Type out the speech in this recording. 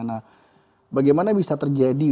nah bagaimana bisa terjadi